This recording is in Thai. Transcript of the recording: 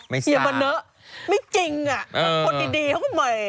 แม่อย่ามาเนอะไม่จริงอ่ะคนดีเขาก็เมย